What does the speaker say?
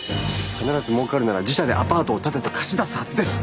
必ずもうかるなら自社でアパートを建てて貸し出すはずです！